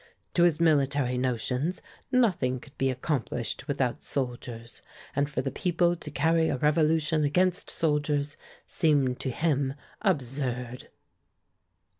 To his military notions, nothing could be accomplished without soldiers, and for the people to carry a revolution against soldiers seemed to him absurd."